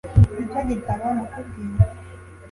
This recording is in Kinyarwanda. Nicyo gitabo nakubwiye